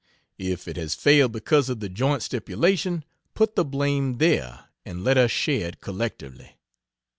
If it has failed because of the joint stipulation, put the blame there, and let us share it collectively.